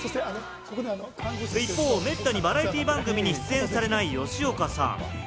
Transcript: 一方、めったにバラエティー番組に出演されない、吉岡さん。